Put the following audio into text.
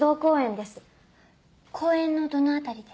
公園のどの辺りで？